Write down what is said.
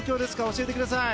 教えてください。